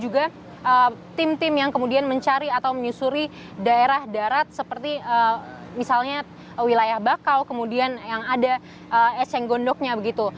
kita harus mencari informasi dari tim tim yang mencari atau menyusuri daerah darat seperti misalnya wilayah bakau kemudian yang ada eseng gondoknya